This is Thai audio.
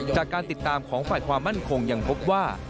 จากการติดตามของฝ่ายความมั่นคงยังพบว่า